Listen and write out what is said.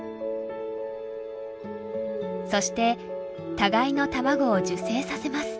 そして互いの卵を受精させます。